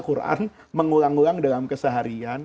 quran mengulang ulang dalam keseharian